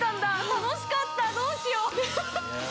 楽しかったどうしよう！